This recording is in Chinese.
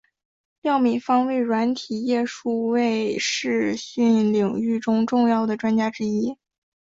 廖敏芳为软体业数位视讯领域中重要的专家之一。